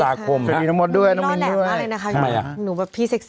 สวัสดีครับสวัสดีค่ะสวัสดีน้องมดด้วยน้องมินด้วยน้อยแหลมมากเลยนะคะ